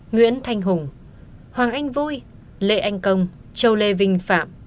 nguyễn thanh hùng hoàng anh vui lê anh công châu lê vinh phạm